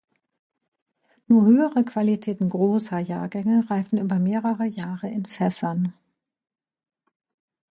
Nur höhere Qualitäten großer Jahrgänge reifen über mehrere Jahre in Fässern.